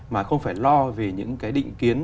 mà không phải lo về những định kiến